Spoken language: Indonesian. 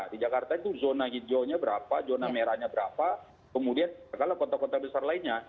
di jakarta itu zona hijaunya berapa zona merahnya berapa kemudian kota kota besar lainnya